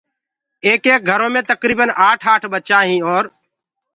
ايڪيڪ گھرو مي تڪريٚبن آٺ آٺ ٻچآ هين اور